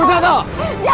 bu ne tuh gak tau apa apa